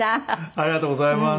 ありがとうございます。